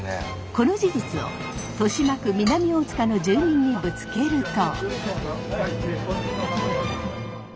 この事実を豊島区南大塚の住民にぶつけると。